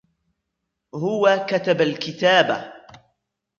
هو كتب الكتاب.